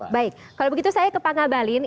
baik kalau begitu saya ke pak ngabalin